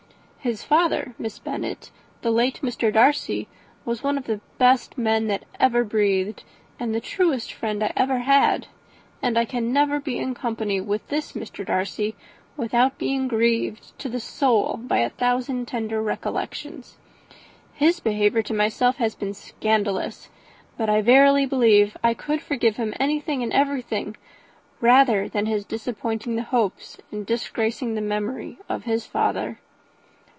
His father, Miss Bennet, the late Mr. Darcy, was one of the best men that ever breathed, and the truest friend I ever had; and I can never be in company with this Mr. Darcy without being grieved to the soul by a thousand tender recollections. His behaviour to myself has been scandalous; but I verily believe I could forgive him anything and everything, rather than his disappointing the hopes and disgracing the memory of his father."